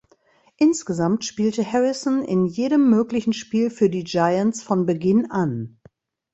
Insgesamt spielte Harrison in jedem möglichen Spiel für die Giants von Beginn an.